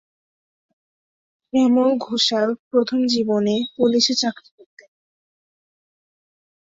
শ্যামল ঘোষাল প্রথম জীবনে পুলিশে চাকরি করতেন।